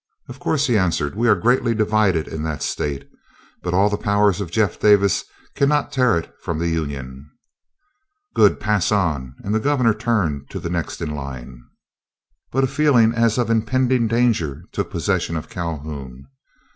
"Of course," he answered, "we are greatly divided in that state, but all the powers of Jeff Davis cannot tear it from the Union." "Good, pass on," and the Governor turned to the next in line. But a feeling as of impending danger took possession of Calhoun.